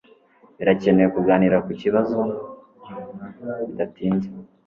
Birakenewe kuganira kukibazo bidatinze.